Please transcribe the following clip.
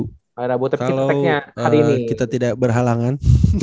kalau kita tidak berhalangan